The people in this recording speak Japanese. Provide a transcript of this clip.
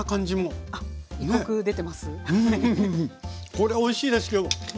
これおいしいです今日。